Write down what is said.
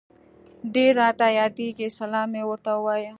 ډير راته ياديږي سلام مي ورته وايه